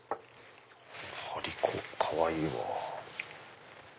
張り子かわいいわ。